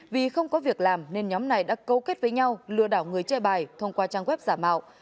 vì không có việc làm nên nhóm này đã cấu kết với nhau lừa đảo người chơi bài thông qua trang web giả mạo